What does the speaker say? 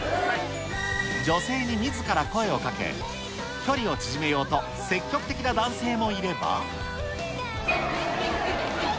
女性にみずから声をかけ、距離を縮めようと積極的な男性もいれば。